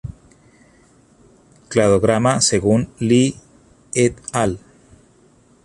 Cladograma según Li "et al.